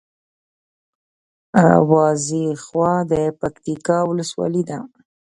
وازېخواه د پکتیکا ولسوالي ده